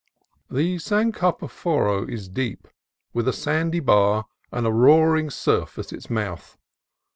The San Carp6foro is deep, with a sandy bar and a roaring surf at its mouth.